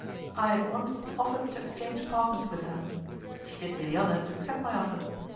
I at once offered to exchange apartments with her. She did me the honour to accept my offer.